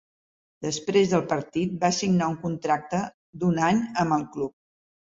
Després del partit, va signar un contracte d'un any amb el club.